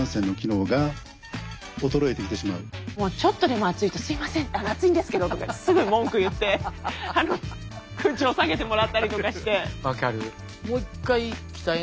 もうちょっとでも暑いと「すいません暑いんですけど」とかってすぐ文句言って空調を下げてもらったりとかして。